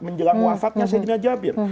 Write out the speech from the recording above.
menjelang wafatnya sayyidina jabir